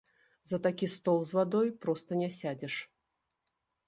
За такі стол з вадой проста не сядзеш.